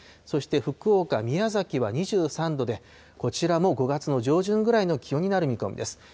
そして、福岡、宮崎は２３度で、こちらも５月の上旬ぐらいの気温になる見込みです。